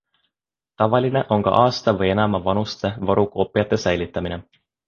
Tavaline on ka aasta või enama vanuste varukoopiate säilitamine.